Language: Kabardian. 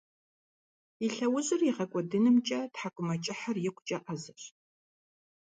И лъэужьыр игъэкIуэдынымкIэ тхьэкIумэкIыхьыр икъукIэ Iэзэщ.